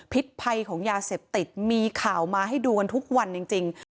ภัยของยาเสพติดมีข่าวมาให้ดูกันทุกวันจริง